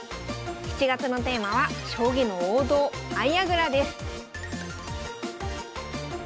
７月のテーマは将棋の王道相矢倉です